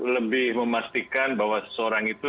lebih memastikan bahwa seseorang itu